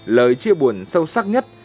lời chia buồn sâu sắc nhất